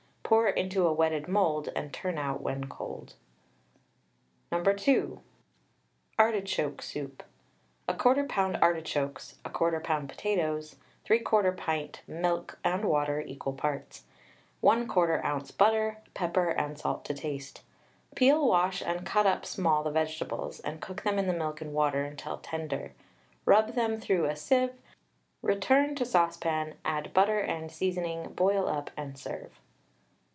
Pour into a wetted mould, and turn out when cold. No. 2. ARTICHOKE SOUP. 1/4 lb. artichokes, 1/4 lb. potatoes, 3/4 pint milk and water (equal parts), 1/4 oz. butter, pepper and salt to taste. Peel, wash, and cut up small the vegetables, and cook them in the milk and water, until tender. Rub them through a sieve, return to saucepan, add butter and seasoning, boil up and serve.